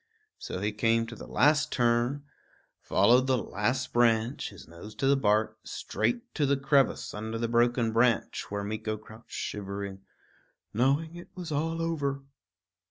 So he came to the last turn, followed the last branch, his nose to the bark, straight to the crevice under the broken branch, where Meeko crouched shivering, knowing it was all over.